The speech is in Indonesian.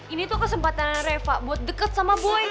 ini tuh kesempatan reva buat deket sama boy